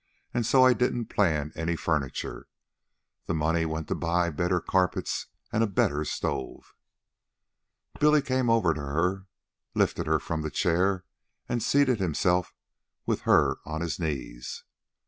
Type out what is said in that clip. "And so I didn't plan any furniture. That money went to buy better carpets and a better stove." Billy came over to her, lifted her from the chair, and seated himself with her on his knees.